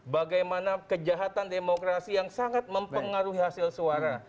bagaimana kejahatan demokrasi yang sangat mempengaruhi hasil suara